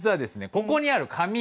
ここにある紙。